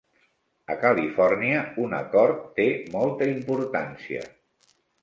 A California, un acord té molta importància.